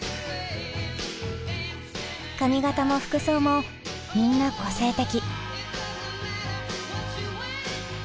髪形も服装もみんな個性的。